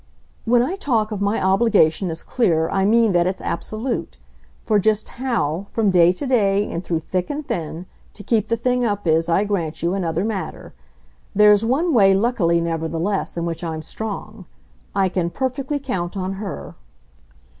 "When I talk of my obligation as clear I mean that it's absolute; for just HOW, from day to day and through thick and thin, to keep the thing up is, I grant you, another matter. There's one way, luckily, nevertheless, in which I'm strong. I can perfectly count on her."